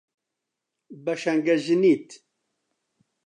بە شەنگەژنیت